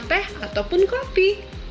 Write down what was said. teh ataupun kopi